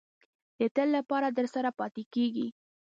د تل لپاره درسره پاتې کېږي.